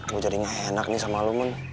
gue jadi gak enak nih sama lu mon